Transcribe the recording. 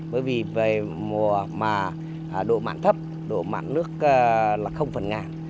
bởi vì về mùa mà độ mạng thấp độ mạng nước là không phần ngàn